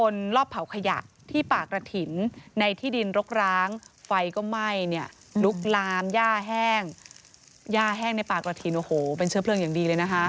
น้ำแย่ห้องแย่ห้องในปากละทีนโอ้โหเป็นเชื้อเพลิงอย่างดีเลยนะคะ